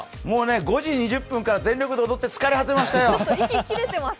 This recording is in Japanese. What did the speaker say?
もうね５時２０分から全力で踊って疲れ果てましたよ。